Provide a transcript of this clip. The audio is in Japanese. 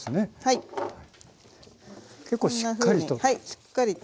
結構しっかりと。